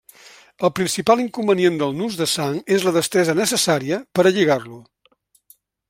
El principal inconvenient del nus de sang és la destresa necessària per a lligar-lo.